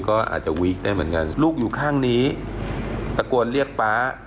ก็อาจจะวีคได้เหมือนกันลูกอยู่ข้างนี้ตะโกนเรียกป๊า